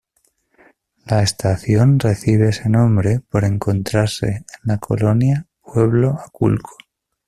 La estación recibe ese nombre por encontrarse en la colonia Pueblo Aculco.